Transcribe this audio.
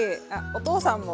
お父さんも。